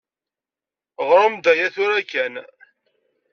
Ɣṛem-d aya tura kan.